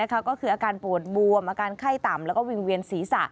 ก็คืออาการปวดบวมอาการไข้ต่ำแล้วก็วิ่งเวียนศีรษะ